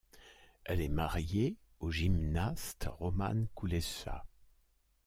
Elle est mariée au gymnaste Roman Kulesza.